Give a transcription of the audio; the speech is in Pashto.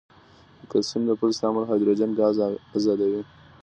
د کلسیم د فلز تعامل هایدروجن ګاز آزادوي.